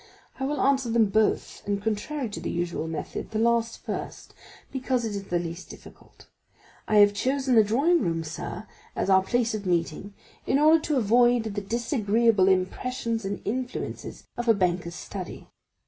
I will answer them both, and contrary to the usual method, the last first, because it is the least difficult. I have chosen the drawing room, sir, as our place of meeting, in order to avoid the disagreeable impressions and influences of a banker's study.